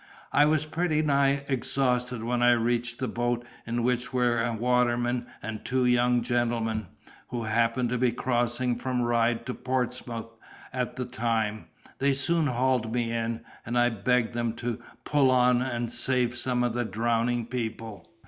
I was pretty nigh exhausted when I reached the boat, in which were a waterman and two young gentlemen, who happened to be crossing from Ryde to Portsmouth at the time. They soon hauled me in, and I begged them to pull on and save some of the drowning people.